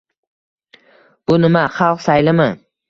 Bu nima — xalq saylimi?